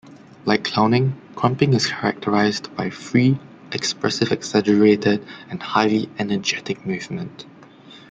Like Clowning, Krumping is characterized by free, expressive exaggerated, and highly energetic movement.